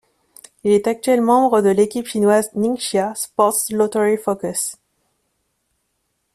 Il est actuellement membre de l'équipe chinoise Ningxia Sports Lottery-Focus.